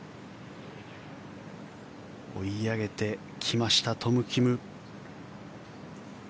追い上げてきましたトム・キム。